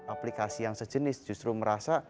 aplikasi yang sejenis justru untuk pemasaran internet